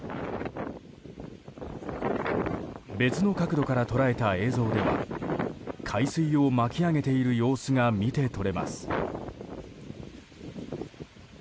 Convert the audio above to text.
別の角度から捉えた映像では海水を巻き上げている様子が見て取れます。